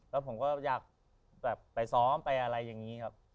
แล้วผมก็อยากแบบไปซ้อมไปอะไรอย่างนี้ครับ